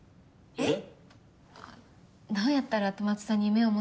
えっ？